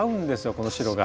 この白が。